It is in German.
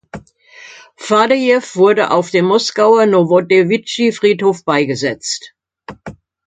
Fadejew wurde auf dem Moskauer Nowodewitschi-Friedhof beigesetzt.